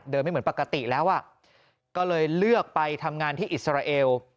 ไม่เหมือนปกติแล้วก็เลยเลือกไปทำงานที่อิสราเอล